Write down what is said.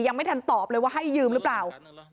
ยังไม่ทันตอบเลยว่าให้ยืมหรือเปล่า